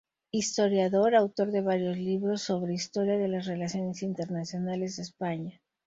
Historiador, autor de varios libros sobre historia de las relaciones internacionales de España.